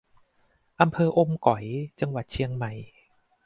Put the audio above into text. อำเภออมก๋อย จังหวัดเชียงใหม่